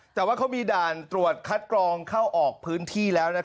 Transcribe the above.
แต่ว่าเขามีด่านตรวจคัดกรองเข้าออกพื้นที่แล้ว